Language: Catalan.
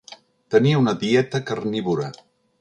Tenia una dieta carnívora.